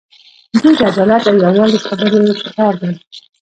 دوی د عدالت او یووالي خبرې شعار دي.